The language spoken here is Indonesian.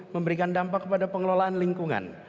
memberikan dampak kepada pengelolaan lingkungan